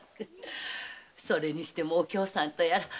それにしてもお京さんとやら見事な御点前。